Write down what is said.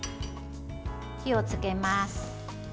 火をつけます。